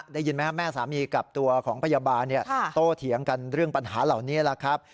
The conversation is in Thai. ได้ยินไหมครับแม่สามีกับตัวของพยาบาลโตเถียงกันเรื่องปัญหาเหล่านี้แหละครับ